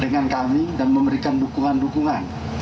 dengan kami dan memberikan dukungan dukungan